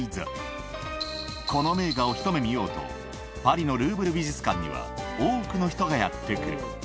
この名画をひと目見ようとパリのルーヴル美術館には多くの人がやって来る